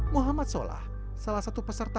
muhammad solah salah satu peserta